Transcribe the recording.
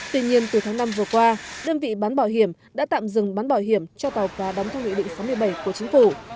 tuy nhiên từ tháng năm vừa qua đơn vị bán bảo hiểm đã tạm dừng bán bảo hiểm cho tàu cá đóng theo nghị định sáu mươi bảy của chính phủ